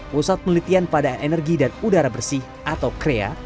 pusat penelitian padaan energi dan udara bersih atau crea